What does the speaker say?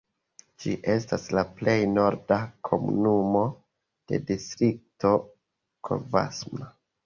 Ĝi estas la plej norda komunumo de distrikto Covasna.